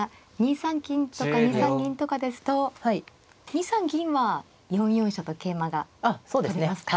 ２三金とか２三銀とかですと２三銀は４四飛車と桂馬が取れますか。